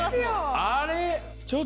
あれ？